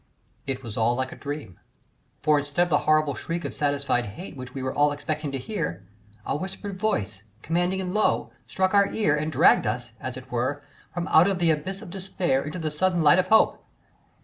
It was all like a dream, for instead of the horrible shriek of satisfied hate which we were all expecting to hear, a whispering voice, commanding and low, struck our ear and dragged us, as it were, from out the abyss of despair into the sudden light of hope.